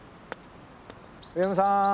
上間さん。